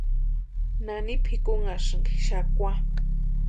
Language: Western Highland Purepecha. ¿Nani pʼikunhasïnki xakwa?